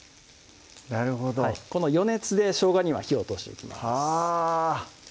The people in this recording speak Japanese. なるほどこの余熱でしょうがには火を通していきます